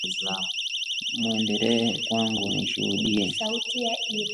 muendelee kwangu nishuhudiye